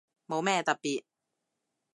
冇咩特別